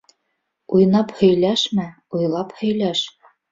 Уйнап һөйләшмә, уйлап һөйләш.